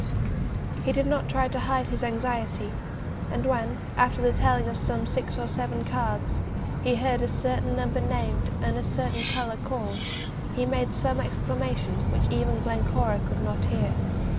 He did not try to hide his anxiety, and when, after the telling of some six or seven cards, he heard a certain number named, and a certain colour called, he made some exclamation which even Glencora could not hear.